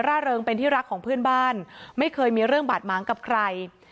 เริงเป็นที่รักของเพื่อนบ้านไม่เคยมีเรื่องบาดหมางกับใคร